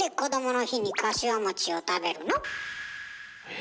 え？